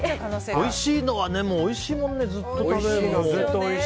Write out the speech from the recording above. おいしいのはおいしいもんねずっと食べられる。